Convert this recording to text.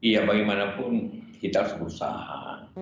ya bagaimanapun kita harus berusaha